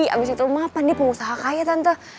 abis itu mapan ini pengusaha kaya tante